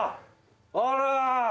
あら！